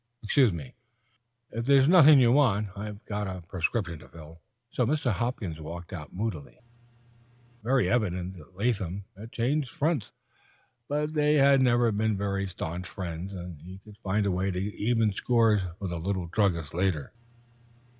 Excuse me; if there's nothing you want, I've got a prescription to fill." Mr. Hopkins walked out moodily. It was very evident that Latham had changed front. But they had never been very staunch friends; and he could find a way to even scores with the little druggist later.